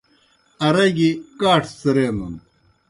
آرا گیْ کاٹھہ څِرینَن۔